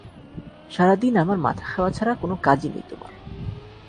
সারাদিন আমার মাথা খাওয়া ছাড়া কোনো কাজই নেই তোমার।